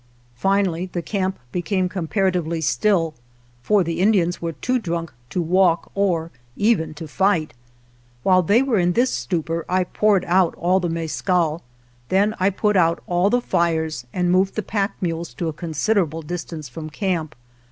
Finally the camp became comparatively still, for the In dians were too drunk to walk or even to fight. While they were in this stupor I poured out all the mescal, then I put out all the fires and moved the pack mules to a con siderable distance from camp.